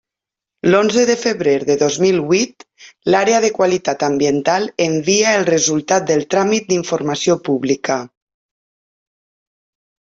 L'onze de febrer de dos mil huit l'Àrea de Qualitat Ambiental envia el resultat del tràmit d'informació pública.